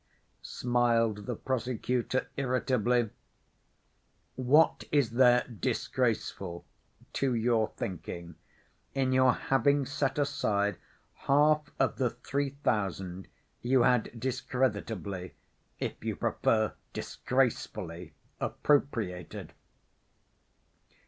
smiled the prosecutor irritably. "What is there disgraceful, to your thinking, in your having set aside half of the three thousand you had discreditably, if you prefer, 'disgracefully,' appropriated?